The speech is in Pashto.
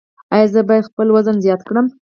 ایا زه باید خپل وزن زیات کړم؟